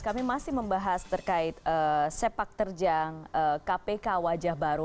kami masih membahas terkait sepak terjang kpk wajah baru